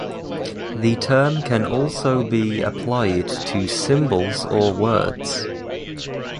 The term can also be applied to symbols or words.